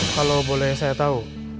kalau boleh saya tahu